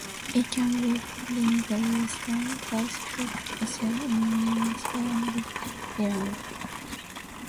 It can be found in the Western Pacific Ocean in Malaysia and Thailand.